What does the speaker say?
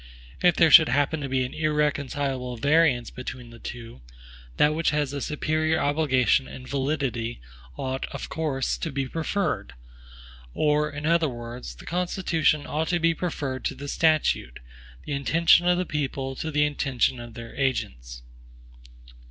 If there should happen to be an irreconcilable variance between the two, that which has the superior obligation and validity ought, of course, to be preferred; or, in other words, the Constitution ought to be preferred to the statute, the intention of the people to the intention of their agents.